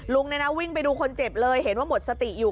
ลุงเนี่ยนะวิ่งไปดูคนเจ็บเลยเห็นว่าหมดสติอยู่